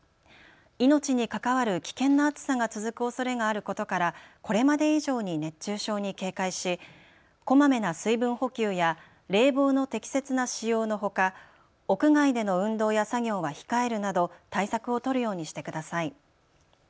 命に関わる危険な暑さが続くおそれがあることからこれまで以上に熱中症に警戒しこまめな水分補給や冷房の適切な使用のほか屋外での運動や作業は控えるなど対策を取るようにしてください。